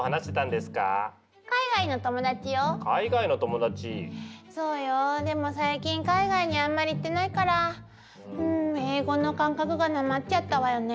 でも最近海外にあんまり行ってないから英語の感覚がなまっちゃったわよね。